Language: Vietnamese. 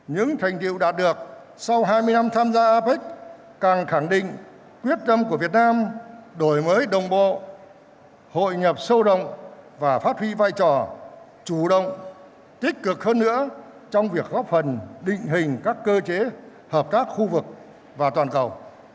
những thành tiệu đạt được sau hai mươi năm tham gia apec càng khẳng định quyết tâm của việt nam đổi mới đồng bộ hội nhập sâu rộng và phát huy vai trò chủ động tích cực hơn nữa trong việc góp phần định hình các cơ chế hợp tác khu vực và toàn cầu